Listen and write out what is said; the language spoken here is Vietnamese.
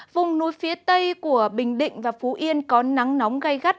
vùng núi phía tây của bình định và phú yên có nắng nóng gây gắt